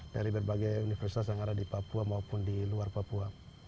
dari berbagai universitas yang ada di papua maupun di luar papua